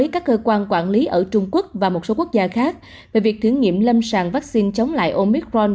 các cơ quan quản lý ở trung quốc và một số quốc gia khác về việc thử nghiệm lâm sàng vaccine chống lại omicron